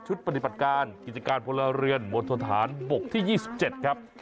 ปฏิบัติการกิจการพลเรือนมณฑนฐานบกที่๒๗ครับ